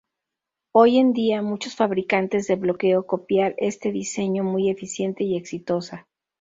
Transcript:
Hoy en día, muchos fabricantes de bloqueo copiar este diseño muy eficiente y exitosa.